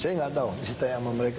saya nggak tahu disitai sama mereka